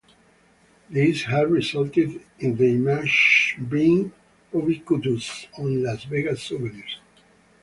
This has resulted in the image being ubiquitous on Las Vegas souvenirs.